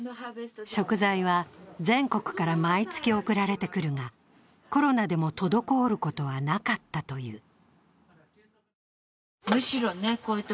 食材は全国から毎月送られてくるが、コロナでも滞ることはなかったという。